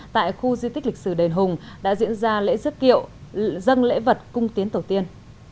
tại khu di tích lịch sử đền hùng đã diễn ra lễ dức kiệu dân lễ vật cung tiến tổ tiên